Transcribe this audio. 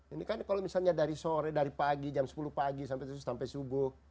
ini kan kalau misalnya dari sore dari pagi jam sepuluh pagi sampai subuh